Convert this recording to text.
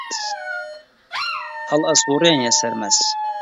هەڵ ئەسووڕێنێ سەرمەس